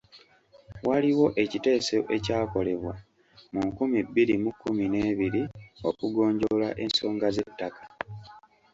Waliwo ekiteeso ekyakolebwa mu nkumi bbiri mu kkumi n'ebiri okugonjoola ensonga z'ettaka.